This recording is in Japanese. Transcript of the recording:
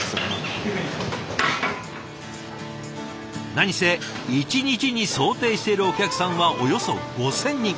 何せ一日に想定しているお客さんはおよそ５，０００人。